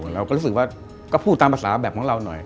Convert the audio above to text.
เราก็รู้สึกว่าก็พูดตามภาษาแบบของเราหน่อย